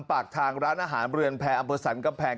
ปากทางร้านอาหารเรือนแพร่อัมพฤษัณฑ์กำแพง